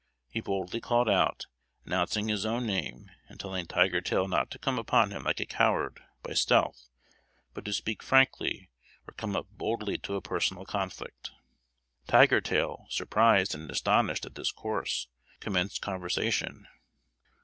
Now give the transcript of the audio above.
He boldly called out, announcing his own name, and telling Tiger tail not to come upon him like a coward, by stealth, but to speak frankly, or come up boldly to a personal conflict. Tiger tail, surprised and astonished at this course, commenced conversation.